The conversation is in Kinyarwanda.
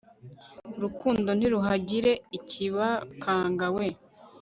urukundo. ntihagire ikibakanga we